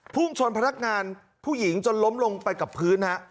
พุ่งชนพนักงานผู้หญิงจนล้มลงไปกับพื้นฮะ